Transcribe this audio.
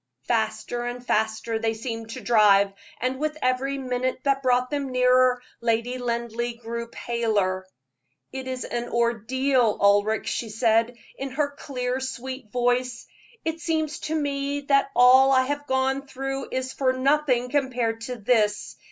Faster and faster they seemed to drive; and with every minute that brought them nearer, Lady Linleigh grew paler. "It is an ordeal, Ulric," she said, in her clear, sweet voice; "it seems to me that all I have gone through is as nothing compared to this.